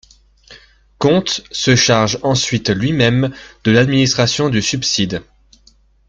Comte se charge ensuite lui-même de l'administration du subside.